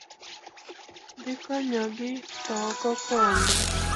dhi konyogi, to ok okombe.